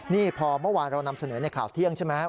นี่พอเมื่อวานเรานำเสนอในข่าวเที่ยงใช่ไหม